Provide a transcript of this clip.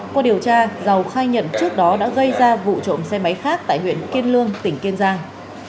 qua điều tra dầu khai nhận trước đó đã gây ra vụ trộm xe máy khác tại huyện kiên lương tỉnh kiên giang